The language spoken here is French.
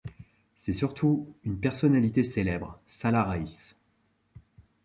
C'est surtout une personnalité célèbre, Salah Raïs.